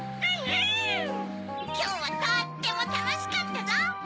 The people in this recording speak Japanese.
きょうはとってもたのしかったゾウ！